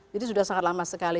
jadi sudah sangat lama sekali